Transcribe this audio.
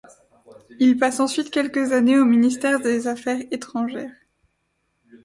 Il passe ensuite quelques années au ministère des affaires étrangères.